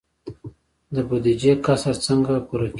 د بودیجې کسر څنګه پوره کیږي؟